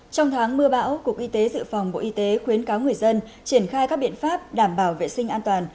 trong tháng mưa bão cục y tế dự phòng bộ y tế khuyến cáo người dân triển khai các biện pháp đảm bảo vệ sinh an toàn